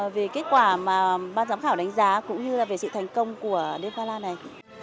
về kết quả mà ban giám khảo đánh giá cũng như là về sự thành công của đêm pala này